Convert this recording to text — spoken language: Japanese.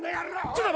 ちょっと。